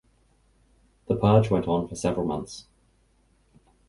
The purge went on for several months.